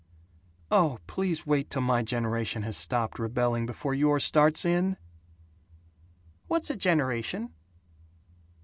"Oh, please wait till my generation has stopped rebelling before yours starts in!" "What's a generation?"